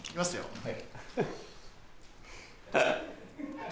はい。